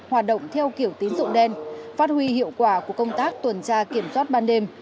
hoạt động theo kiểu tín dụng đen phát huy hiệu quả của công tác tuần tra kiểm soát ban đêm